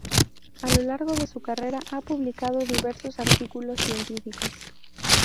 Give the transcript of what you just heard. A lo largo de su carrera ha publicado diversos artículos científicos.